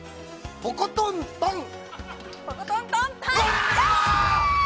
トコトントン！